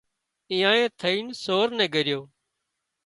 ايئان ٿئينَ سور نين ڳريو